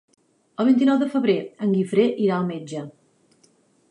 El vint-i-nou de febrer en Guifré irà al metge.